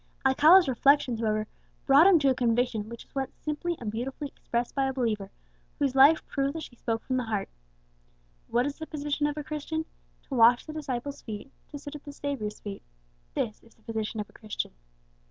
Alcala's reflections, however, brought him to a conviction which was once simply and beautifully expressed by a believer, whose life proved that she spoke from the heart: "What is the position of a Christian? To wash the disciples' feet, to sit at the Saviour's feet, this is the position of a Christian!"